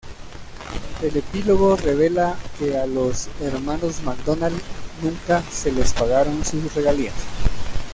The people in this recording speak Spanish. Un epílogo revela que a los hermanos McDonald nunca se les pagaron sus regalías.